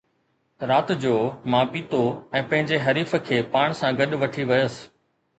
رات جو، مان پيتو ۽ پنهنجي حریف کي پاڻ سان گڏ وٺي ويس